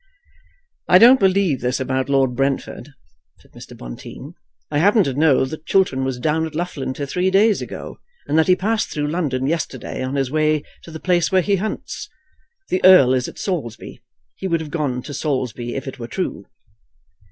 "I don't believe this about Lord Brentford," said Mr. Bonteen. "I happen to know that Chiltern was down at Loughlinter three days ago, and that he passed through London yesterday on his way to the place where he hunts. The Earl is at Saulsby. He would have gone to Saulsby if it were true."